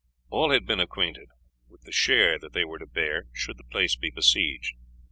All had been acquainted with the share they were to bear should the place be besieged.